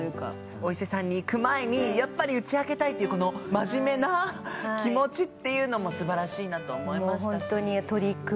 お伊勢さんに行く前にやっぱり打ち明けたいっていうこの真面目な気持ちっていうのもすばらしいなと思いましたし。